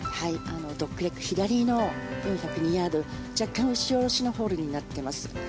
ドッグレッグ左の４０２ヤード若干打ち下ろしのホールになっています。